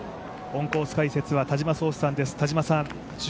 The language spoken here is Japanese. オンコース解説は田島創志さんです。